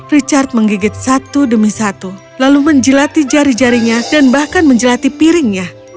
richard menggigit satu demi satu lalu menjelati jari jarinya dan bahkan menjelati piringnya